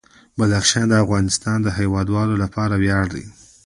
بدخشان د افغانستان د هیوادوالو لپاره ویاړ دی.